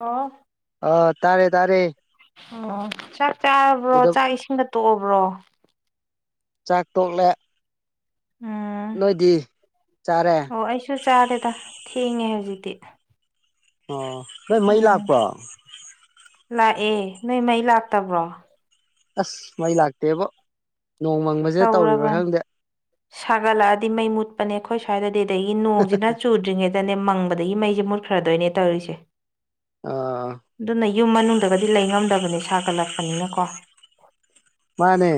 ꯑꯣ ꯑꯥ ꯇꯥꯔꯦ ꯇꯥꯔꯦ ꯑꯣ ꯆꯥꯛ ꯆꯥꯔꯕ꯭ꯔꯣ ꯎꯗꯞ ꯆꯥꯛ ꯏꯁꯤꯡꯒ ꯇꯣꯛꯑꯕ꯭ꯔꯣ ꯆꯥꯥꯛ ꯇꯣꯛꯂꯦ ꯎꯝ ꯅꯣꯏꯗꯤ ꯆꯥꯔꯦ ꯆꯥꯛ ꯆꯥꯔꯦꯗ ꯊꯦꯡꯉꯦ ꯍꯨꯖꯤꯛꯇꯤ ꯑꯣ ꯅꯣꯏ ꯃꯩ ꯂꯥꯛꯄ꯭ꯔꯣ ꯂꯥꯛꯑꯦ ꯅꯣꯏ ꯃꯩ ꯂꯥꯛꯇꯕ꯭ꯔꯣ ꯑꯁ ꯃꯩ ꯂꯥꯛꯇꯦꯕꯣ ꯅꯣꯡꯃꯪꯕꯖꯤꯗ ꯇꯧꯔꯤꯕ꯭ꯔꯥ ꯇꯧꯔꯕꯅꯤ ꯈꯪꯗꯦ ꯁꯥꯒꯠꯂꯛꯑꯗꯤ ꯃꯩ ꯃꯨꯠꯄꯅꯦ ꯑꯈꯣꯏ ꯁ꯭ꯋꯥꯏꯗꯗꯤ ꯑꯗꯒꯤ ꯅꯣꯡꯖꯤꯅ ꯆꯨꯗ꯭ꯔꯤꯉꯩ ꯗꯅꯦ ꯃꯪꯕꯗꯒꯤ ꯃꯩꯖꯦ ꯃꯨꯠꯈ꯭ꯔꯗꯣꯏꯅꯦ ꯇꯧꯔꯤꯁꯦ ꯑꯥ ꯑꯗꯨꯅ ꯌꯨꯝ ꯃꯅꯨꯡꯗꯒꯗꯤ ꯂꯩ ꯉꯝꯗꯕꯅꯦ ꯁꯥꯒꯠꯂꯛꯄꯅꯤꯅ ꯀꯣ ꯃꯥꯅꯦ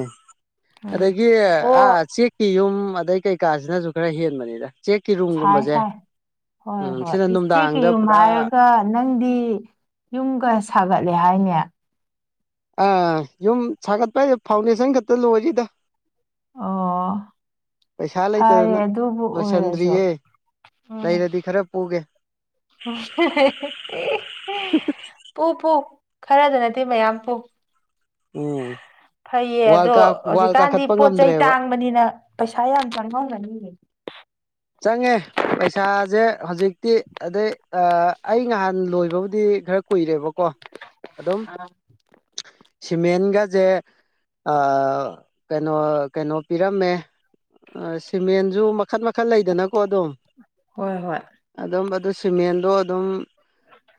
ꯎꯝ ꯑꯗꯒꯤ ꯑꯣ ꯑꯥ ꯆꯦꯛꯀꯤ ꯌꯨꯝ ꯑꯗꯩ ꯀꯩꯀꯥꯖꯤꯅꯖꯨ ꯈꯔ ꯍꯦꯟꯕꯅꯤꯗ ꯆꯦꯛꯀꯤ ꯁꯥꯏ ꯔꯨꯝꯒꯨꯝꯕꯁꯦ ꯁꯥꯏ ꯍꯣꯏ ꯎꯝ ꯍꯣꯏ ꯁꯤꯅ [unintelligible] ꯆꯦꯛꯀꯤ ꯅꯨꯡꯗꯥꯡꯗ ꯌꯨꯝ ꯄꯨꯔꯥ ꯍꯥꯏꯔꯒ ꯅꯪꯗꯤ ꯌꯨꯝꯒ ꯁꯥꯒꯠꯂꯦ ꯍꯥꯏꯅꯦ ꯑꯥ ꯌꯨꯝ ꯁꯥꯒꯠꯄ ꯍꯥꯏꯖꯦ ꯐꯥꯎꯟꯗꯦꯁꯟ ꯈꯠꯇ ꯂꯣꯏꯔꯤꯗ ꯑꯣ ꯄꯩꯁꯥ ꯐꯔꯦ ꯂꯩꯇꯗꯅ ꯑꯗꯨꯕꯨ ꯑꯣꯏꯔꯁꯨ ꯂꯣꯏꯁꯟꯗ꯭ꯔꯤꯌꯦ ꯎꯝ ꯂꯩꯔꯗꯤ ꯈꯔ ꯄꯨꯒꯦ [unintelligible] ꯄꯨ ꯄꯨ ꯈꯔꯗꯅꯠꯇꯦ ꯃꯌꯥꯝ ꯄꯨ ꯎꯝ ꯐꯩꯌꯦ ꯋꯥꯜ ꯑꯗꯣ ꯀꯥ ꯋꯥꯜ ꯍꯧꯖꯤꯛꯀꯥꯟꯗꯤ ꯀꯥꯈꯠꯄ ꯄꯣꯠ ꯆꯩ ꯉꯝꯗ꯭ꯔꯦꯕ ꯇꯥꯡꯕꯅꯤꯅ ꯄꯩꯁꯥ ꯌꯥꯝ ꯆꯪꯉꯝꯒꯅꯤꯌꯦ ꯆꯪꯉꯦ ꯄꯩꯁꯥꯖꯦ ꯍꯧꯖꯤꯛꯇꯤ ꯑꯗꯩ ꯑꯥ ꯑꯩ ꯉꯍꯟ ꯂꯣꯏꯕꯕꯨꯗꯤ ꯈꯔ ꯀꯨꯏꯔꯦꯕꯀꯣ ꯑꯗꯨꯝ ꯁꯤꯃꯦꯟꯒꯖꯦ ꯑꯥ ꯀꯩꯅꯣ ꯀꯩꯅꯣ ꯄꯤꯔꯝꯃꯦ ꯑꯥ ꯁꯤꯃꯦꯟꯖꯨ ꯃꯈꯟ ꯃꯈꯟ ꯂꯩꯗꯅꯀꯣ ꯑꯗꯨꯝ ꯍꯣꯏ ꯍꯣꯏ ꯑꯗꯨꯝ ꯑꯗꯨ ꯁꯤꯃꯦꯟꯗꯣ ꯑꯗꯨꯝ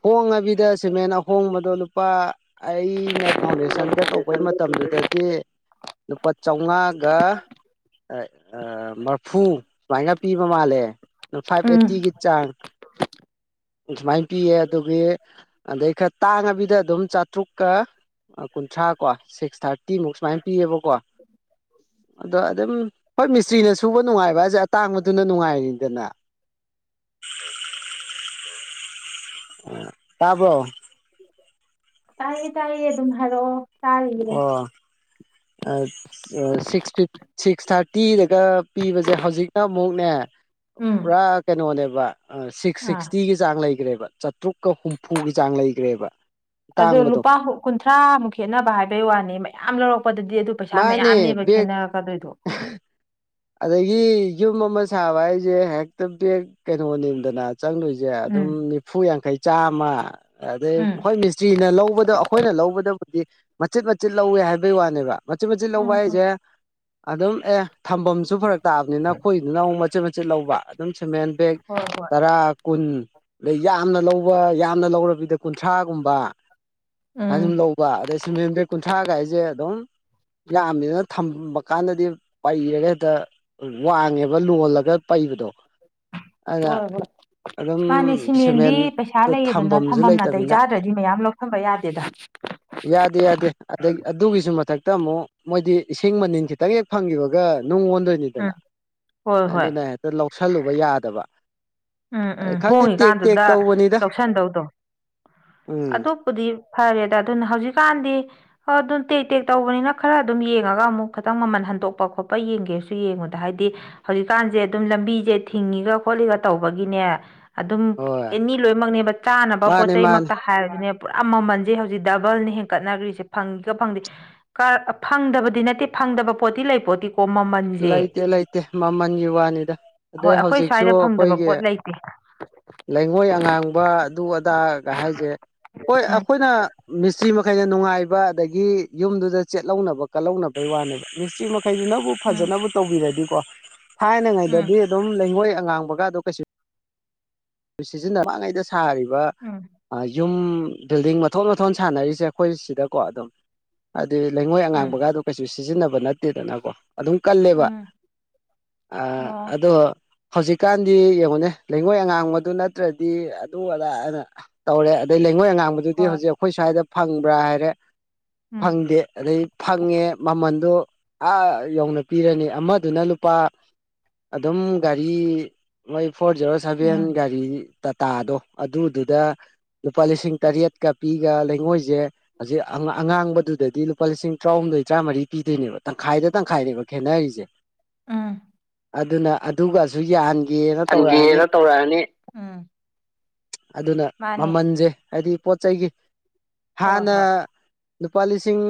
ꯍꯣꯡꯉꯕꯤꯗ ꯁꯤꯃꯦꯟ ꯑꯍꯣꯡꯕꯗꯣ ꯂꯨꯄꯥ ꯑꯩꯅ ꯐꯥꯎꯟꯗꯦꯁꯟꯒ ꯇꯧꯕꯩ ꯃꯇꯝꯗꯨꯗꯗꯤ ꯂꯨꯄꯥ ꯆꯧꯉꯥꯒ ꯑꯥ ꯃꯔꯐꯨ ꯁꯨꯃꯥꯏꯅ ꯄꯤꯕ ꯃꯥꯜꯂꯦ ꯑꯗꯨ ꯐꯥꯏꯚ ꯎꯝ ꯑꯦꯠꯇꯤꯒꯤ ꯆꯥꯡ ꯁꯨꯃꯥꯏꯅ ꯄꯤꯌꯦ ꯑꯗꯨꯒꯤ ꯑꯗꯩ ꯈꯔ ꯇꯥꯡꯉꯕꯤꯗ ꯑꯗꯨꯝ ꯆꯥꯇ꯭ꯔꯨꯛꯀꯥ ꯀꯨꯟꯊ꯭ꯔꯥ ꯀꯣ ꯁꯤꯛꯁ ꯊꯥꯔꯇꯤꯃꯨꯛ ꯁꯨꯃꯥꯏꯅ ꯄꯤꯌꯦꯕꯀꯣ ꯑꯗꯣ ꯑꯗꯨꯝ ꯍꯣꯏ ꯃꯤꯁꯇ꯭ꯔꯤꯅ ꯁꯨꯕ ꯅꯨꯡꯉꯥꯏꯕ ꯍꯥꯏꯖꯦ ꯇꯥꯡꯕꯗꯨꯅ ꯅꯨꯡꯉꯥꯏ [unintelligible] ꯑꯥ ꯇꯥꯕ꯭ꯔꯣ ꯇꯥꯏꯌꯦ ꯇꯥꯏꯌꯦ ꯑꯗꯨꯝ ꯍꯥꯏꯔꯛꯑꯣ ꯇꯥꯔꯤꯌꯦ ꯑꯣ ꯑꯁ ꯑꯥ ꯁꯤꯛꯁ ꯐꯤꯠ ꯁꯤꯛꯁ ꯊ꯭ꯥꯔꯇꯤꯗꯒ ꯄꯤꯕꯖꯦ ꯍꯧꯖꯤꯛꯅ ꯑꯃꯨꯛꯅꯦ ꯎꯝ ꯄꯨꯔꯥ ꯀꯩꯅꯣꯅꯦꯕ ꯁꯤꯛꯁ ꯑꯥ ꯁꯤꯛꯁꯇꯤꯒꯤ ꯆꯥꯡ ꯂꯩꯒ꯭ꯔꯦꯕ ꯆꯥꯇ꯭ꯔꯨꯛꯀ ꯍꯨꯝꯐꯨꯒꯤ ꯆꯥꯡ ꯂꯩꯒ꯭ꯔꯦꯕ ꯑꯗꯣ ꯂꯨꯄꯥ ꯀꯨꯟꯊ꯭ꯔꯥꯃꯨꯛ ꯈꯦꯠꯅꯕ ꯍꯥꯏꯕꯩ ꯋꯥꯅꯦ ꯃꯌꯥꯝ ꯂꯧꯔꯛꯄꯗꯗꯤ ꯑꯗꯨ ꯄꯩꯁꯥ ꯃꯥꯅꯦ ꯃꯌꯥꯝꯅꯦꯕ ꯕꯦꯒ ꯈꯦꯠꯅꯔꯛꯀꯗꯣꯏꯗꯣ [unintelligible] ꯑꯗꯒꯤ ꯌꯨꯝ ꯑꯃ ꯁꯥꯕ ꯍꯥꯏꯖꯦ ꯍꯦꯛꯇ ꯕꯦꯛ ꯀꯩꯅꯣꯅꯤꯗꯅ ꯆꯪꯘꯣꯏꯁꯦ ꯎꯝ ꯑꯗꯨꯝ ꯅꯤꯐꯨ ꯌꯥꯡꯈꯩ ꯆꯥꯝꯃ ꯑꯗꯩ ꯎꯝ ꯍꯣꯏ ꯃꯤꯁ ꯃꯤꯁꯇ꯭ꯔꯤꯅ ꯂꯧꯕꯗ ꯑꯩꯈꯣꯏꯅ ꯂꯧꯕꯗꯕꯨꯗꯤ ꯃꯆꯤꯠ ꯃꯆꯤꯠ ꯂꯧꯋꯦ ꯍꯥꯏꯕꯩ ꯋꯥꯅꯦꯕ ꯃꯆꯤꯠ ꯃꯆꯤꯠ ꯎꯝ ꯂꯧꯕ ꯎꯝ ꯍꯥꯏꯖꯦ ꯑꯗꯨꯝ ꯑꯦ ꯊꯝꯕꯝꯁꯨ ꯐꯔꯛ ꯇꯥꯑꯕꯅꯤꯅ ꯑꯩꯈꯣꯏꯗꯨꯅ ꯑꯃꯨꯛ ꯃꯆꯤꯠ ꯃꯆꯤꯠ ꯂꯧꯕ ꯑꯗꯨꯝ ꯁꯤꯃꯦꯟ ꯕꯦꯛ ꯍꯣꯏ ꯍꯣꯏ ꯇꯔꯥ ꯀꯨꯟ ꯑꯗꯩ ꯌꯥꯝꯅ ꯂꯧꯕ ꯌꯥꯝꯅ ꯂꯧꯔꯕꯤꯗ ꯀꯨꯟꯊ꯭ꯔꯥꯒꯨꯝꯕ ꯁꯥꯏꯅ ꯎꯝ ꯁꯨꯝ ꯂꯧꯕ ꯑꯗꯩ ꯁꯤꯃꯦꯟ ꯕꯦꯛ ꯀꯨꯟꯊ꯭ꯔꯥꯒꯏꯖꯦ ꯑꯗꯨꯝ ꯌꯥꯝꯃꯤꯅ ꯊꯝꯕ ꯀꯥꯟꯗꯦ ꯄꯩꯔꯒ ꯍꯦꯛꯇ ꯋꯥꯡꯉꯦꯕ ꯂꯣꯜꯂꯒ ꯄꯩꯕꯗꯣ ꯑꯗꯨꯅ ꯍꯣꯏ ꯍꯣꯏ ꯑꯗꯨꯝ ꯃꯥꯅꯦ ꯁꯤꯃꯦꯟꯗꯤ ꯁꯤꯃꯦꯟꯗꯣ ꯄꯩꯁꯥ ꯂꯩꯌꯦꯗꯅ ꯊꯝꯐꯝꯁꯨ ꯊꯝꯕꯝ ꯅꯥꯇꯩ ꯂꯩꯇꯕꯅꯤꯅ ꯆꯥꯗ꯭ꯔꯗꯤ ꯃꯌꯥꯝ ꯂꯧ ꯊꯝꯕ ꯌꯥꯗꯦꯗ ꯌꯥꯗꯦ ꯌꯥꯗꯦ ꯑꯘꯩ ꯑꯗꯨꯒꯤꯁꯨ ꯃꯊꯛ ꯇꯥ ꯑꯃꯨꯛ ꯃꯣꯏꯗꯤ ꯏꯁꯤꯡ ꯃꯅꯤꯟ ꯈꯤꯇꯪ ꯍꯦꯛ ꯐꯪꯒꯤꯕꯒ ꯅꯨꯡ ꯑꯣꯟꯗꯣꯏ ꯎꯝ ꯅꯤꯗꯅ ꯍꯣꯏ ꯍꯣꯏ ꯑꯗꯨꯅ ꯍꯦꯛꯇ ꯂꯧꯁꯤꯜꯂꯨꯕ ꯌꯥꯗꯕ ꯎꯝ ꯎꯝ ꯑꯗꯩ ꯈꯪꯗꯦ ꯇꯦꯛ ꯇꯦꯛ ꯍꯣꯡꯉꯤꯀꯥꯟꯗꯨꯗ ꯇꯧꯕꯅꯤꯗ ꯂꯧꯁꯟꯗꯧꯗꯣ ꯎꯝ ꯑꯗꯨ ꯄꯨꯗꯤ ꯐꯔꯦꯗ ꯑꯗꯨꯅ ꯍꯧꯖꯤꯛꯀꯥꯟꯗꯤ ꯑꯗꯨꯝ ꯇꯦꯛ ꯇꯦꯛ ꯇꯧꯕꯅꯤꯅ ꯈꯔ ꯑꯗꯨꯝ ꯌꯦꯡꯉꯒ ꯑꯃꯨꯛ ꯈꯤꯇꯪ ꯃꯃꯟ ꯍꯟꯗꯣꯛꯄ ꯈꯣꯠꯄ ꯌꯦꯡꯒꯦꯁꯨ ꯌꯦꯡꯉꯨꯗ ꯍꯥꯏꯗꯤ ꯍꯧꯖꯤꯛꯀꯥꯟꯁꯦ ꯑꯗꯨꯝ ꯂꯝꯕꯤꯁꯦ ꯊꯤꯡꯉꯤꯒ ꯈꯣꯠꯂꯤꯒ ꯇꯧꯕꯒꯤꯅꯦ ꯑꯗꯨꯝ ꯍꯣꯏ ꯑꯦꯅꯤ ꯂꯣꯏꯃꯛꯅꯦꯕ ꯆꯥꯅꯕ ꯄꯣꯠ ꯃꯥꯅꯤ ꯆꯩ ꯃꯥꯅꯤ ꯃꯛꯇ ꯍꯥꯏꯔꯁꯨꯅꯦ ꯄꯨꯔꯥ ꯃꯃꯜꯁꯦ ꯍꯧꯖꯤꯛ ꯗꯕꯜꯅꯤ ꯍꯦꯟꯒꯠꯅꯈ꯭ꯔꯤꯁꯦ ꯐꯪꯉꯤꯒ ꯐꯪꯗꯦ ꯀꯥ ꯐꯪꯗꯕꯗꯤ ꯅꯠꯇꯦ ꯐꯪꯗꯕ ꯄꯣꯠꯇꯤ ꯂꯩ ꯄꯣꯠꯇꯦ ꯍꯣ ꯃꯃꯟ ꯂꯩꯇꯦ ꯂꯩꯇꯦ ꯃꯃꯜꯒꯤ ꯋꯥꯅꯤꯗ ꯍꯣꯏ ꯑꯗꯩ ꯑꯩꯈꯣꯏ ꯍꯧꯖꯤꯛꯁꯨ ꯁ꯭ꯋꯥꯏꯗ ꯐꯪꯗꯕ ꯑꯩꯈꯣꯏꯒꯤ ꯄꯣꯠ ꯂꯩꯇꯦ ꯂꯩꯉꯣꯏ ꯑꯉꯥꯡꯕ ꯑꯗꯨ ꯑ ꯇꯥ ꯒ ꯍꯥꯏꯁꯦ ꯍꯣꯏ ꯎꯝ ꯑꯩꯈꯣꯏꯅ ꯃꯤꯁꯇ꯭ꯔꯤ ꯃꯈꯩꯅ ꯅꯨꯡꯉꯥꯏꯕ ꯑꯗꯒꯤ ꯌꯨꯝꯗꯨꯗ ꯆꯦꯠꯂꯧꯅꯕ ꯀꯜꯍꯧꯅꯕꯩ ꯋꯥꯅꯦꯕ ꯃꯤꯁꯇ꯭ꯔꯤ ꯃꯈꯩꯗꯨꯅꯕꯨ ꯎꯝ ꯐꯖꯅꯕꯨ ꯇꯧꯕꯤꯔꯗꯤꯀꯣ ꯎꯝ ꯊꯥꯏꯅꯉꯩꯗꯗꯤ ꯑꯗꯨꯝ ꯂꯩꯉꯣꯏ ꯑꯉꯥꯡꯕꯒꯗꯣ ꯀꯩꯁꯨ ꯁꯤꯖꯤꯟꯅ ꯃꯥꯡꯉꯩꯗ ꯁꯥꯔꯤꯕ ꯎꯝ ꯑꯥ ꯌꯨꯝ ꯕꯤꯜꯗꯤꯡ ꯃꯊꯣꯟ ꯃꯊꯣꯟ ꯁꯥꯟꯅꯔꯤꯁꯦ ꯑꯩꯈꯣꯏ ꯁꯤꯗꯀꯣ ꯑꯗꯨꯝ ꯍꯥꯏꯗꯤ ꯂꯩꯉꯣꯏ ꯎꯝ ꯑꯉꯥꯡꯕꯒꯗꯣ ꯀꯩꯁꯨ ꯁꯤꯖꯤꯟꯅꯕ ꯅꯠꯇꯦꯗꯅꯀꯣ ꯑꯗꯨꯝ ꯀꯜꯂꯦꯕ ꯎꯝ ꯑꯥ ꯑꯣ ꯑꯗꯣ ꯍꯧꯖꯤꯛꯀꯥꯟꯗꯤ ꯌꯦꯡꯉꯣꯅꯦ ꯂꯩꯉꯣꯏ ꯑꯉꯥꯡꯕ ꯑꯗꯨ ꯅꯠꯇ꯭ꯔꯥꯗꯤ ꯑꯗꯨ ꯑꯗꯥꯅ ꯇꯧꯔꯦ ꯑꯗꯩ ꯂꯩꯉꯣꯏ ꯑꯉꯥꯡꯕꯗꯨꯗꯤ ꯍꯣꯏ ꯍꯧꯖꯤꯛ ꯈꯣꯏ ꯁ꯭ꯋꯥꯏꯗ ꯐꯪꯕ꯭ꯔꯥ ꯍꯥꯏꯔꯦ ꯎꯝ ꯐꯪꯗꯦ ꯑꯗꯩ ꯐꯪꯉꯦ ꯃꯃꯟꯗꯣ ꯑꯥ ꯌꯧꯅ ꯄꯤꯔꯅꯤ ꯑꯃꯗꯨꯅ ꯂꯨꯄꯥ ꯑꯗꯨꯝ ꯒꯥꯔꯤ ꯃꯣꯏ ꯐꯣꯔ ꯖꯦꯔꯣ ꯁꯚꯦꯟ ꯎꯝ ꯒꯥꯔꯤ ꯇꯥꯇꯥꯗꯣ ꯑꯗꯨꯗꯨꯗ ꯂꯨꯄꯥ ꯂꯤꯁꯤꯡ ꯇꯔꯦꯠꯀꯥ ꯄꯤꯒꯥ ꯂꯩꯉꯣꯏꯖꯦ ꯍꯧꯖꯤꯛ ꯑꯉꯥ ꯑꯉꯥꯡꯕꯗꯨꯗꯗꯤ ꯂꯨꯄꯥ ꯂꯤꯁꯤꯡ ꯇ꯭ꯔꯥꯍꯨꯝꯗꯣꯏ ꯇꯔꯥꯃꯔꯤ ꯄꯤꯗꯣꯏꯅꯦꯕ ꯇꯪꯈꯥꯏꯗ ꯇꯪꯈꯥꯏꯅꯦꯕ ꯈꯦꯅꯔꯤꯖꯦ ꯎꯝ ꯑꯗꯨꯅ ꯑꯗꯨꯒꯥꯁꯨ ꯌꯥꯍꯟꯒꯦꯅ ꯇꯧꯔꯛꯑꯅꯤ ꯇꯧꯔꯑꯅꯤ ꯑꯗꯨꯅ ꯃꯥꯅꯦ ꯃꯃꯜꯖꯦ ꯍꯥꯏꯗꯤ ꯄꯣꯠ ꯆꯩꯒꯤ ꯍꯣꯏ ꯍꯥꯟꯅ ꯍꯣꯏ ꯂꯨꯄꯥ ꯂꯤꯁꯤꯡ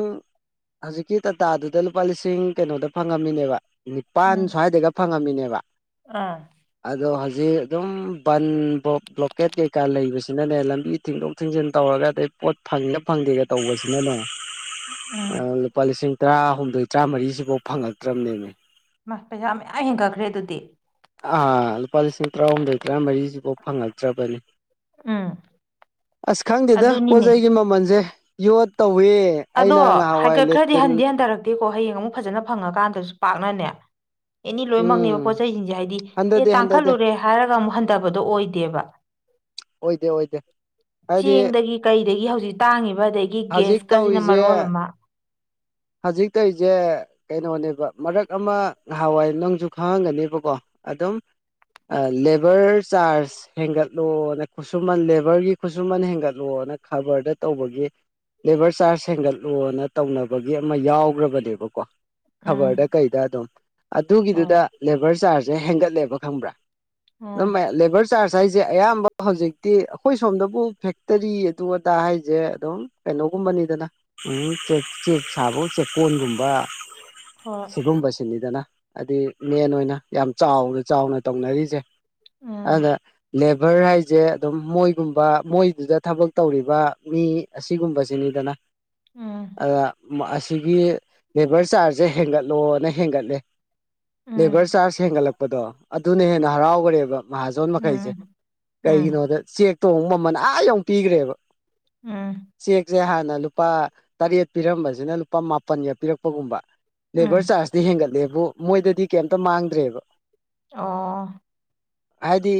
ꯍꯧꯖꯤꯛꯀꯤ ꯇꯥꯇꯥꯗꯨꯗ ꯂꯨꯄꯥ ꯂꯤꯁꯤꯡ ꯀꯩꯅꯣꯗ ꯐꯪꯉꯝꯃꯤꯅꯦꯕ ꯅꯤꯄꯥꯥꯟ ꯎꯝ ꯁ꯭ꯋꯥꯏꯗꯒꯥ ꯐꯪꯉꯝꯃꯤꯅꯦꯕ ꯑꯥ ꯑꯗꯣ ꯍꯧꯖꯤꯛ ꯑꯗꯨꯝ ꯕꯟ ꯕ꯭ꯂꯣ ꯕ꯭ꯂꯣꯀꯦꯠ ꯀꯩꯀꯥ ꯂꯩꯕꯁꯤꯅꯅꯦ ꯂꯝꯕꯤ ꯊꯤꯡꯗꯣꯛ ꯊꯤꯡꯖꯤꯟ ꯇꯧꯔꯒꯥ ꯑꯗꯩ ꯄꯣꯠ ꯐꯪꯉꯤꯒꯥ ꯐꯪꯗꯦꯒꯥ ꯇꯧꯕꯁꯤꯅꯅꯦ ꯎꯝ ꯑꯥ ꯂꯨꯄꯥ ꯂꯤꯁꯤꯡ ꯇꯔꯥꯍꯨꯝꯗꯣꯏ ꯇꯔꯥꯃꯔꯤꯁꯤꯕꯨꯛ ꯐꯪꯉꯛꯇ꯭ꯔꯥꯝꯅꯦꯃꯦ ꯃꯥ ꯄꯩꯁꯥ ꯃꯌꯥꯝ ꯍꯦꯟꯒꯠꯈ꯭ꯔꯦ ꯑꯗꯨꯗꯤ ꯑꯥ ꯂꯨꯄꯥ ꯂꯤꯁꯤꯡ ꯇ꯭ꯔꯥꯍꯨꯝꯗꯣꯏ ꯇꯔꯥꯃꯔꯤꯖꯤꯕꯥꯎ ꯐꯪꯉꯛꯇ꯭ꯔꯥꯕꯅꯤ ꯎꯝ ꯑꯁ ꯈꯪꯗꯦꯗ ꯄꯣꯠ ꯑꯗꯨꯅꯤꯅꯦ ꯆꯩꯩꯒꯤ ꯃꯃꯜꯖꯦ ꯌꯣꯠ ꯇꯧꯋꯦ ꯑꯩꯅ ꯉꯍꯥꯟꯋꯥꯏ ꯂꯦꯇꯤꯟ ꯇꯦ ꯀꯣ ꯍꯌꯦꯡ ꯑꯃꯨꯛ ꯐꯖꯅ ꯐꯪꯉꯀꯥꯟꯗꯁꯨ ꯄꯥꯛꯅꯅꯦ ꯑꯦꯅꯤ ꯂꯣꯏꯅꯃꯛꯅꯦꯕ ꯎꯝ ꯄꯣꯠ ꯆꯩꯁꯤꯡꯁꯦ ꯍꯥꯏꯗꯤ ꯑꯦ ꯍꯟꯊꯗꯦ ꯍꯟꯊꯗꯦ ꯇꯥꯡꯈꯠꯂꯨꯔꯦ ꯍꯥꯏꯔꯒꯥ ꯑꯃꯨꯛ ꯍꯟꯗꯕꯗꯣ ꯑꯣꯏꯗꯦꯕ ꯑꯣꯏꯗꯦ ꯑꯣꯏꯗꯦ ꯍꯥꯏꯗꯤ ꯆꯦꯡꯗꯥꯒꯤ ꯀꯩꯗꯥꯒꯤ ꯍꯧꯖꯤꯛ ꯇꯥꯡꯉꯤꯕ ꯑꯗꯥꯒꯤ ꯍꯧꯖꯤꯛ ꯒꯦꯁ ꯀꯥꯖꯤꯅ ꯃꯔꯣꯜ ꯑꯃ ꯍꯥꯖꯤꯛ ꯇꯩꯖꯦ ꯀꯩꯅꯣꯅꯦꯕ ꯃꯔꯛ ꯑꯃꯥ ꯉꯍꯥꯋꯥꯏ ꯅꯪꯖꯨ ꯈꯪꯑꯒꯅꯦꯕꯀꯣ ꯑꯗꯨꯝ ꯑꯥ ꯂꯦꯕꯔ ꯆꯥꯔꯖ ꯍꯦꯟꯒꯠꯂꯣꯅ ꯈꯨꯠꯁꯨꯃꯟ ꯂꯦꯕꯔꯒꯤ ꯈꯨꯠꯁꯨꯃꯟ ꯍꯦꯟꯒꯠꯂꯣꯅ ꯈꯥꯕ꯭ꯔꯗ ꯇꯧꯕꯒꯤ ꯂꯦꯕꯔ ꯆꯥꯔꯖ ꯍꯦꯟꯒꯠꯂꯣꯅ ꯇꯧꯅꯞ ꯕꯥꯒꯤ ꯑꯃꯥ ꯌꯥꯎꯒ꯭ꯔꯥꯕꯅꯦꯕꯀꯣ ꯎꯝ ꯈꯕꯔꯗ ꯀꯩꯗ ꯑꯗꯨꯝ ꯍꯣꯏ ꯑꯗꯨꯒꯤꯗꯨꯗ ꯂꯦꯕꯔ ꯆꯥꯔꯖꯁꯦ ꯍꯦꯟꯒꯠꯂꯦꯕ ꯈꯪꯕ꯭ꯔꯥ ꯑꯗꯨꯝ ꯎꯝ ꯃꯦ ꯂꯦꯕꯔ ꯆꯥꯔꯖ ꯍꯥꯏꯖꯦ ꯑꯌꯥꯝꯕ ꯍꯧꯖꯤꯛꯇꯤ ꯑꯈꯣꯏ ꯁꯣꯝꯗꯕꯨ ꯐꯦꯛꯇꯥꯔꯤ ꯑꯗꯨ ꯑꯗꯥ ꯍꯥꯏꯖꯦ ꯑꯗꯨꯝ ꯀꯩꯅꯣꯒꯨꯝꯕꯅꯤꯗꯅ ꯎꯝ ꯇꯦ ꯆꯦꯛ ꯁꯥꯕꯨ ꯆꯦꯛꯀꯣꯟꯒꯨꯝꯕ ꯍꯣꯏ ꯁꯤꯒꯨꯝꯕꯁꯤꯅꯤꯗꯅ ꯑꯥꯗꯤ ꯃꯦꯟ ꯑꯣꯏꯅ ꯌꯥꯝ ꯆꯥꯎꯅ ꯆꯥꯎꯅ ꯇꯧꯅꯔꯤꯖꯦ ꯎꯝ ꯑꯗꯥ ꯂꯦꯕꯔ ꯍꯥꯏꯁꯦ ꯑꯗꯨꯝ ꯃꯣꯏꯒꯨꯝꯕ ꯃꯣꯏꯗꯨꯗ ꯊꯕꯛ ꯇꯧꯔꯤꯕ ꯃꯤ ꯑꯁꯤꯒꯨꯝꯕꯁꯤꯅꯤꯗꯅ ꯎꯝ ꯑꯗꯨꯅ ꯃꯥ ꯑꯁꯤꯒꯤ ꯂꯦꯕꯔ ꯆꯥꯔꯖꯁꯦ ꯍꯦꯟꯒꯠꯂꯣꯅ ꯍꯦꯟꯒꯠꯂꯦ ꯂꯦꯕꯔ ꯎꯝ ꯆꯥꯔꯖ ꯍꯦꯟꯒꯠꯂꯛꯄꯗꯣ ꯑꯗꯨꯅ ꯍꯦꯟꯅ ꯍꯔꯥꯎꯒ꯭ꯔꯦꯕ ꯃꯍꯥꯖꯣꯟ ꯃꯈꯩꯁꯦ ꯎꯝ ꯎꯝ ꯀꯩꯒꯤꯅꯣꯗ ꯆꯦꯛꯇꯣꯃꯨ ꯃꯃꯟ ꯑꯥ ꯌꯧ ꯄꯤꯒ꯭ꯔꯦꯕ ꯎꯝ ꯆꯦꯛꯁꯦ ꯍꯥꯟꯅ ꯂꯨꯄꯥ ꯇꯔꯦꯠ ꯄꯤꯔꯝꯕꯖꯤꯅ ꯂꯨꯄꯥ ꯃꯥꯄꯟꯒ ꯄꯤꯔꯛꯄꯒꯨꯝꯕ ꯂꯦꯕꯔ ꯎꯝ ꯆꯥꯔꯖꯇꯤ ꯍꯦꯟꯒꯠꯂꯦꯕꯨ ꯃꯣꯏꯗꯗꯤ ꯀꯩꯝꯇ ꯃꯥꯡꯗ꯭ꯔꯦꯕ ꯑꯣ ꯍꯥꯏꯗꯤ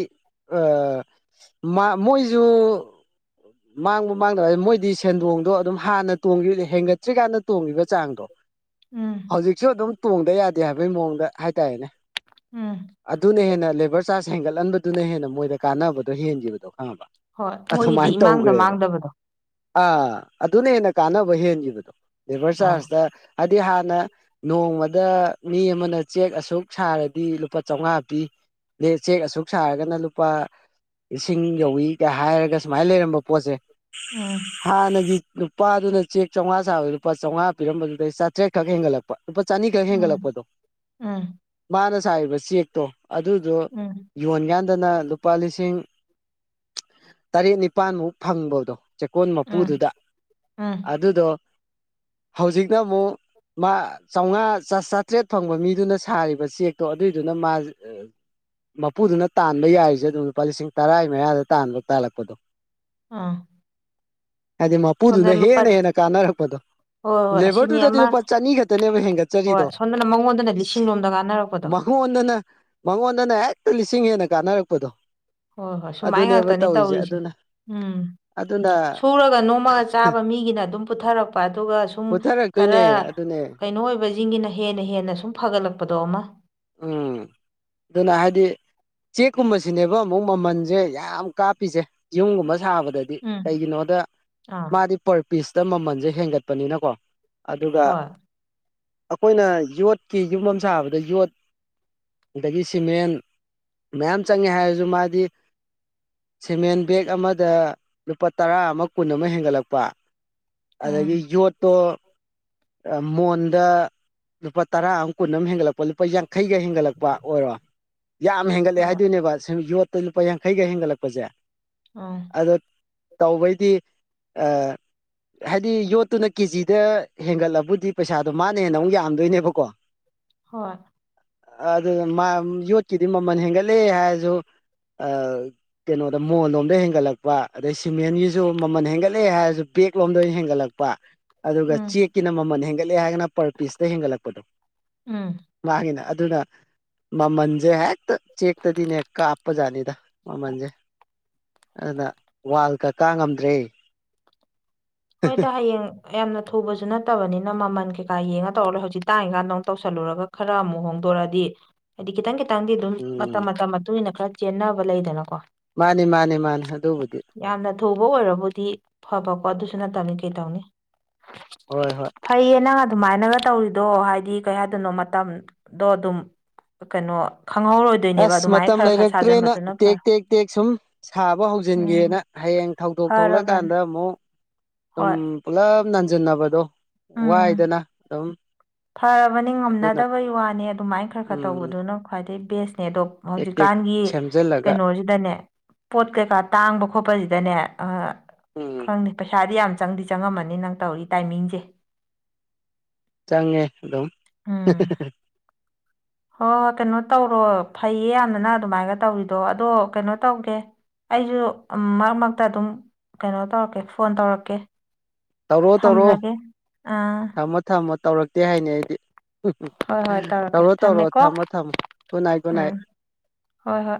ꯑꯥ ꯃꯥ ꯃꯣꯏꯖꯨ ꯃꯥꯡꯕ ꯃꯥꯡꯗꯕꯖꯦ ꯃꯣꯏꯗꯤ ꯁꯦꯟꯗꯣꯡꯗꯣ ꯑꯗꯨꯝ ꯍꯥꯟꯅ ꯇꯣꯡꯒ꯭ꯔꯤꯜ ꯍꯦꯟꯒꯠꯇ꯭ꯔꯤꯀꯥꯟꯗ ꯇꯣꯡꯒꯤꯕ ꯆꯥꯡꯗꯣ ꯎꯝ ꯍꯧꯖꯤꯛꯁꯨ ꯑꯗꯨꯝ ꯇꯣꯡꯗ ꯌꯥꯗꯦ ꯍꯥꯏꯕꯩ ꯃꯑꯣꯡꯗ ꯍꯥꯏꯇꯥꯔꯦꯅꯦ ꯎꯝ ꯑꯗꯨꯅ ꯍꯦꯟꯅ ꯂꯦꯕꯔ ꯆꯥꯔꯖ ꯍꯦꯟꯒꯠꯂꯟꯕꯗꯨꯅ ꯍꯦꯟꯅ ꯃꯣꯏꯗ ꯀꯥꯟꯅꯕꯗꯣ ꯍꯦꯟꯒꯤꯕꯗꯣ ꯈꯪꯉꯕ ꯍꯣꯏ ꯃꯣꯏꯒꯤꯗꯤ ꯑꯗꯨꯃꯥꯏꯅ ꯏꯃꯥꯡꯗ ꯇꯧꯈ꯭ꯔꯦꯕ ꯃꯥꯡꯗꯕꯗꯣ ꯑꯥ ꯑꯗꯨꯅ ꯍꯦꯟꯅ ꯀꯥꯟꯅꯕ ꯍꯦꯟꯒꯤꯕꯗꯣ ꯂꯦꯕꯔ ꯑꯥ ꯆꯥꯔꯖꯇ ꯍꯥꯏꯗꯤ ꯍꯥꯟꯅ ꯅꯣꯡꯃꯗ ꯃꯤ ꯑꯃꯥꯅ ꯆꯦꯛ ꯑꯁꯨꯛ ꯁꯥꯔꯗꯤ ꯂꯨꯄꯥ ꯆꯧꯉꯥ ꯄꯤ ꯂꯦ ꯆꯦꯛ ꯑꯁꯨꯛ ꯁꯥꯔꯒꯅ ꯂꯨꯄꯥ ꯂꯤꯁꯤꯡ ꯌꯧꯋꯤꯒ ꯍꯥꯏꯔꯒ ꯁꯨꯃꯥꯏ ꯂꯩꯔꯝꯕ ꯄꯣꯠꯁꯦ ꯎꯝ ꯍꯥꯟꯅꯒꯤ ꯄꯥꯗꯨꯅ ꯆꯦꯛ ꯆꯧꯉꯥ ꯁꯥꯕꯗ ꯂꯨꯄꯥ ꯆꯧꯉꯥ ꯄꯤꯔꯝꯕꯗꯨꯗꯩ ꯆꯥꯇ꯭ꯔꯦꯠꯈꯛ ꯍꯦꯟꯒꯠꯂꯛ ꯄ ꯂꯨꯄꯥ ꯆꯅꯤ ꯈꯛ ꯎꯝ ꯍꯦꯟꯒꯠꯂꯛꯄꯗꯣ ꯎꯝ ꯃꯥꯅ ꯁꯥꯔꯤꯕ ꯆꯦꯛꯇꯣ ꯑꯗꯨꯗꯣ ꯎꯝ ꯌꯣꯟ ꯒꯥꯟꯗꯅ ꯂꯨꯄꯥ ꯂꯤꯁꯤꯡ ꯇꯔꯦꯠ ꯅꯤꯄꯥꯟꯃꯨꯛ ꯐꯪꯕꯗꯣ ꯆꯦꯛꯀꯣꯟ ꯎꯝ ꯃꯄꯨꯗꯨꯗ ꯎꯝ ꯑꯗꯨꯗꯣ ꯍꯧꯖꯤꯛꯅ ꯑꯃꯨꯛ ꯃꯥ ꯆꯧꯉꯥ ꯆꯥ ꯆꯥꯇ꯭ꯔꯦꯠ ꯐꯪꯕ ꯃꯤꯗꯨꯅ ꯁꯥꯔꯤꯕ ꯆꯦꯛꯇꯣ ꯑꯗꯨꯏꯗꯨꯅ ꯃꯥꯖꯦ ꯑꯥ ꯃꯄꯨꯗꯨꯅ ꯇꯥꯟꯕ ꯌꯥꯔꯤꯖꯦ ꯑꯗꯨꯗ ꯂꯨꯄꯥ ꯂꯤꯁꯤꯡ ꯇꯔꯥꯏ ꯃꯌꯥꯗ ꯇꯥꯟꯕ ꯇꯥꯜꯂꯛꯄꯗꯣ ꯑꯥ ꯍꯥꯏꯗꯤ ꯁꯣꯝꯗ ꯃꯄꯨꯗꯨꯅ ꯂꯨꯄꯥ ꯍꯦꯟꯅ ꯍꯦꯟꯅ ꯀꯥꯟꯅꯔꯛꯄꯗꯣ ꯍꯣꯏ ꯍꯣꯏ ꯑꯁꯤꯅꯤ ꯂꯦꯕꯔꯗꯨꯗꯗꯤ ꯑꯃ ꯂꯨꯄꯥ ꯆꯅꯤ ꯈꯛꯇꯅꯦꯕ ꯍꯣꯏ ꯍꯦꯟꯒꯠꯆꯔꯤꯗꯣ ꯁꯣꯝꯗꯅ ꯃꯉꯣꯟꯗꯅ ꯂꯤꯁꯤꯡ ꯂꯣꯝꯗ ꯀꯥꯟꯅꯔꯛꯄꯗꯣ ꯃꯥ ꯍꯣꯟꯗꯅ ꯃꯉꯣꯟꯗꯅ ꯍꯦꯛꯇ ꯂꯤꯁꯤꯡ ꯍꯦꯟꯅ ꯀꯥꯟꯅꯔꯛꯄꯗꯣ ꯍꯣꯏ ꯍꯣꯏ ꯁꯨꯃꯥꯏ ꯑꯗꯨꯅꯦꯕ ꯉꯥꯛꯇꯅꯦ ꯇꯧꯔꯤꯁꯦ ꯑꯗꯨꯅ ꯎꯝ ꯑꯗꯨꯅ ꯁꯨꯔꯒ ꯅꯣ ꯑꯝꯃꯒ ꯆꯥꯕ ꯃꯤꯒꯤꯅ ꯑꯗꯨꯝ ꯄꯨꯊꯔꯛꯄ ꯑꯗꯨꯒ ꯁꯨꯝ ꯄꯨꯊꯔꯛꯇꯣꯏꯅꯦ ꯈꯔ ꯑꯗꯨꯅꯦ ꯀꯩꯅꯣ ꯑꯣꯏꯕꯩ ꯆꯤꯡꯒꯤꯅ ꯍꯦꯟꯅ ꯍꯦꯟꯅ ꯁꯨꯝ ꯐꯒꯠꯂꯛꯄꯗꯣ ꯑꯃꯥ ꯎꯝ ꯗꯨꯅ ꯍꯥꯏꯗꯤ ꯆꯦꯛꯀꯨꯝꯕꯁꯤꯅꯦꯕ ꯑꯃꯨꯛ ꯃꯃꯟꯖꯦ ꯌꯥꯝ ꯀꯥꯞꯄꯤꯁꯦ ꯌꯨꯝꯒꯨꯝꯕ ꯁꯥꯕ ꯗꯗꯤ ꯎꯝ ꯀꯩꯒꯤꯅꯣꯗ ꯑꯥ ꯃꯥꯗꯤ ꯄꯔ ꯄꯤꯁꯇ ꯃꯃꯟꯁꯦ ꯍꯦꯟꯒꯠꯄꯅꯤꯅꯀꯣ ꯑꯗꯨꯒ ꯍꯣꯏ ꯑꯈꯣꯏꯅ ꯌꯣꯠꯀꯤ ꯌꯨꯝ ꯑꯝ ꯁꯥꯕꯗ ꯌꯣꯠ ꯑꯗꯒꯤ ꯁꯤꯃꯦꯟ ꯃꯌꯥꯝ ꯆꯪꯉꯦ ꯍꯥꯏꯔꯁꯨ ꯃꯥꯗꯤ ꯁꯤꯃꯦꯟ ꯕꯦꯛ ꯑꯃꯗ ꯂꯨꯄꯥ ꯇꯔꯥ ꯑꯃ ꯀꯨꯟ ꯑꯃ ꯍꯦꯟꯒꯠꯂꯛꯄ ꯎꯝ ꯑꯗꯒꯤ ꯌꯣꯠ ꯇꯣ ꯑ ꯃꯣꯟꯗ ꯂꯨꯄꯥ ꯇꯔꯥ ꯑꯝ ꯀꯨꯟ ꯑꯃ ꯍꯦꯟꯒꯠꯂꯛꯄ ꯂꯨꯄꯥ ꯌꯥꯡ ꯈꯩꯒ ꯍꯦꯟꯒꯠꯂꯛꯄ ꯑꯣꯏꯔꯣ ꯌꯥꯝ ꯍꯦꯟꯒꯠꯂꯦ ꯍꯣꯏ ꯍꯥꯏꯗꯣꯏꯅꯦꯕ ꯁꯨꯝ ꯌꯣꯠ ꯇ ꯂꯨꯄꯥ ꯌꯥꯡꯈꯩꯒ ꯍꯦꯟꯒꯠꯂꯛꯄꯁꯦ ꯑꯣꯝ ꯑꯗꯣ ꯇꯧꯕꯩꯗꯤ ꯑꯥ ꯍꯥꯏꯗꯤ ꯌꯣꯠꯇꯨꯅ ꯀꯦꯖꯤꯗ ꯍꯦꯟꯒꯠꯂꯕꯨꯗꯤ ꯄꯩꯁꯥꯗꯣ ꯃꯥꯅ ꯍꯦꯟꯅ ꯑꯃꯨꯛ ꯌꯥꯝꯗꯣꯏꯅꯦꯕꯀꯣ ꯍꯣꯏ ꯑꯗꯨ [unintelligible] ꯌꯣꯠꯀꯤꯗꯤ ꯃꯃꯜ ꯍꯦꯟꯒꯠꯂꯦ ꯍꯥꯏꯔꯖꯨ ꯑꯥ ꯀꯩꯅꯣꯗ ꯃꯣꯟ ꯂꯣꯝꯗ ꯍꯦꯟꯒꯠꯂꯛꯄ ꯑꯗꯩ ꯁꯤꯃꯦꯟꯒꯤꯁꯨ ꯃꯃꯟ ꯍꯦꯟꯒꯠꯂꯦ ꯍꯥꯏꯔꯁꯨ ꯕꯦꯛꯂꯣꯝꯗ ꯑꯣꯏꯅ ꯍꯦꯟꯒꯠꯂꯛ ꯄ ꯑꯗꯨꯒ ꯎꯝ ꯆꯦꯛꯀꯤꯅ ꯃꯃꯟ ꯍꯦꯟꯒꯠꯂꯦ ꯍꯥꯏꯔꯒꯅ ꯄꯔ ꯄꯤꯁꯇ ꯍꯦꯟꯒꯠꯂꯛꯄꯗꯨ ꯎꯝ ꯃꯥꯥꯒꯤꯅꯥ ꯑꯗꯨꯅ ꯃꯃꯜꯁꯦ ꯍꯦꯛꯇ ꯆꯦꯛꯇꯗꯤꯅꯦ ꯀꯥꯞꯄꯖꯥꯠꯅꯤꯗ ꯃꯃꯜꯁꯦ ꯑꯗꯨꯅ ꯋꯥꯜ ꯀ ꯀꯥ ꯉꯝꯗ꯭ꯔꯦ ꯍꯣꯏꯗ ꯍꯌꯦꯡ ꯌꯥꯝꯅ ꯊꯨꯕꯁꯨ ꯅꯠꯇꯕꯅꯤꯅ ꯃꯃꯜ ꯀꯩꯀꯥ ꯌꯦꯡꯉ ꯇꯧꯔ ꯂꯣꯏ ꯍꯧꯖꯤꯛ ꯇꯥꯡꯉꯤꯀꯥꯟꯗ ꯑꯃꯨꯛ ꯇꯧꯁꯜꯂꯨꯔꯒ ꯈꯔ ꯑꯃꯨꯛ ꯍꯣꯡꯗꯣꯔꯛꯑꯗꯤ ꯈꯤꯇꯪ ꯈꯤꯇꯪꯗꯤ ꯑꯗꯨꯝ ꯎꯝ ꯃꯇꯝ ꯃꯇꯝ ꯃꯇꯨꯡ ꯏꯟꯅ ꯈꯔ ꯆꯦꯟꯅꯕ ꯂꯩꯗꯅꯀꯣ ꯃꯥꯅꯤ ꯃꯥꯅꯤ ꯃꯥꯅꯤ ꯑꯗꯨꯕꯨꯗꯤ ꯌꯥꯝꯅ ꯊꯨꯕ ꯑꯣꯏꯔꯕꯨꯗꯤ ꯐꯕꯀꯣ ꯑꯗꯨꯁꯨ ꯅꯠꯇꯝꯅꯤ ꯀꯩꯇꯧꯅꯤ ꯍꯣꯏ ꯍꯣꯏ ꯐꯩꯌꯦ ꯅꯪ ꯑꯗꯨꯃꯥꯏꯅꯒ ꯇꯧꯔꯤꯗꯣ ꯍꯥꯏꯗꯤ ꯀꯩ ꯍꯥꯏꯗꯣꯏꯅꯣ ꯃꯇꯝꯗꯣ ꯑꯗꯨꯝ ꯀꯅꯣ ꯈꯪꯍꯧꯔꯣꯏ ꯑꯁ ꯃꯇꯝ ꯂꯩꯔꯛꯇ꯭ꯔꯦꯅ ꯇꯦꯛ ꯇꯦꯛ ꯇꯦꯛ ꯁꯨꯝ ꯁꯥꯕ ꯍꯧꯖꯤꯟꯒꯦꯅ ꯎꯝ ꯍꯌꯦꯡ ꯊꯧꯗꯣꯛ ꯐꯔꯕꯅꯦ ꯊꯣꯛꯂꯛꯀꯥꯟꯗ ꯑꯃꯨꯛ ꯁꯨꯝ ꯍꯣꯏ ꯄꯨꯂꯞ ꯅꯟꯖꯤꯟꯅꯕꯗꯣ ꯎꯝ ꯋꯥꯏꯗꯅ ꯑꯗꯨꯝ ꯐꯔꯕꯅꯤ ꯑꯗꯨꯅ ꯉꯝꯅꯗꯕꯩ ꯋꯥꯅꯤ ꯑꯗꯨꯃꯥꯏꯅ ꯈ꯭ꯔ ꯈ꯭ꯔ ꯎꯝ ꯇꯧꯕꯗꯨꯅ ꯈ꯭ꯋꯥꯏꯗꯩ ꯕꯦꯁꯅꯦ ꯑꯗꯣ ꯇꯦꯛ ꯇꯦꯛ ꯍꯧꯖꯤꯛꯀꯥꯟꯒꯤ ꯁꯦꯝꯖꯤꯜꯂꯒ ꯗꯅꯦ ꯄꯣꯠ ꯀꯩꯀꯥ ꯇꯥꯡꯕ ꯈꯣꯠꯄꯖꯤꯗꯅꯦ ꯑꯥ ꯎꯝ ꯈꯪꯗꯦ ꯄꯩꯁꯥꯗꯤ ꯌꯥꯝ ꯆꯪꯗꯤ ꯆꯪꯉꯝꯃꯅꯤ ꯅꯪ ꯇꯧꯔꯤ ꯇꯥꯏꯃꯤꯡꯁꯦ ꯆꯪꯉꯦ ꯑꯗꯨꯝ [unintelligible] ꯍꯣ ꯀꯩꯅꯣ ꯇꯧꯔꯣ ꯐꯩꯌꯦ ꯌꯥꯝꯅ ꯅꯪ ꯑꯗꯨꯃꯥꯏꯒ ꯇꯧꯔꯤꯗꯣ ꯑꯗꯣ ꯀꯩꯅꯣ ꯇꯧꯒꯦ ꯑꯩꯖꯨ ꯃꯔꯛ ꯃꯔꯛꯇ ꯑꯗꯨꯝ ꯀꯩꯅꯣ ꯇꯧꯔꯛꯀꯦ ꯐꯣꯟ ꯇꯧꯔꯛꯀꯦ ꯇꯧꯔꯣꯛ ꯇꯧꯔꯣꯛ ꯊꯝꯂꯒꯦ ꯑꯥ ꯊꯝꯃꯣ ꯊꯝꯃꯣ ꯇꯧꯔꯛꯇꯦ ꯍꯥꯏꯅꯤ ꯑꯩꯗꯤ [unintelligible] ꯍꯣꯏ ꯍꯣꯏ ꯇꯧꯔꯛꯀꯦ ꯇꯧꯔꯣ ꯇꯧꯔꯣ ꯊꯝꯃꯦꯀꯣ ꯊꯝꯃꯣ ꯊꯝꯃꯣ ꯒꯨꯅꯥꯏꯠ ꯎꯝ ꯒꯨꯅꯥꯏꯠ ꯍꯣꯏ ꯍꯣꯏ